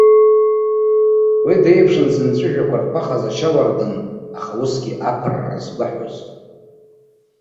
Уи деиԥшын зымҵәыжәҩақәа рԥахыз ашьауардын, аха усгьы аԥырра згәаҳәоз.